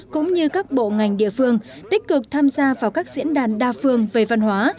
cũng như các bộ ngành địa phương tích cực tham gia vào các diễn đàn đa phương về văn hóa